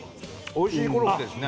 おいしいコロッケですね